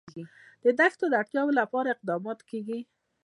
د دښتو د اړتیاوو لپاره اقدامات کېږي.